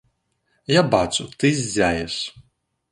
Я бачу, ты ззяеш.